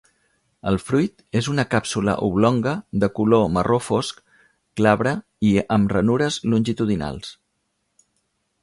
El fruit és una càpsula oblonga de color marró fosc, glabra i amb ranures longitudinals.